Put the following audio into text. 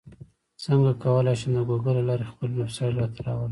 څنګه کولی شم د ګوګل له لارې خپل ویبسایټ راته راولم